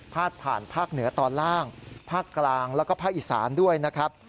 ผ่านภาคเหนือตอนล่างภาคกลางแล้วก็ภาคอีสานด้วยนะครับ